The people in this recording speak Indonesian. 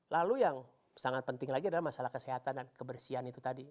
lalu yang sangat penting lagi adalah masalah kesehatan dan kebersihan itu tadi